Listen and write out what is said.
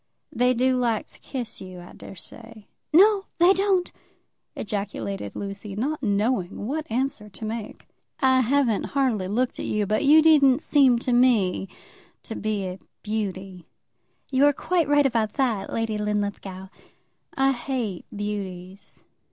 "They do like to kiss you, I daresay." "No, they don't," ejaculated Lucy, not knowing what answer to make. "I haven't hardly looked at you, but you didn't seem to me to be a beauty." "You're quite right about that, Lady Linlithgow." "I hate beauties.